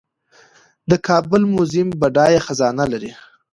د کابل میوزیم بډایه خزانه لري